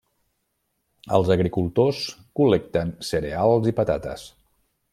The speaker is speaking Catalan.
Els agricultors col·lecten cereals i patates.